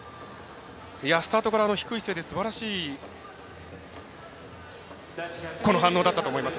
スタートから低い姿勢ですばらしい反応だったと思います。